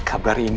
aura itu ma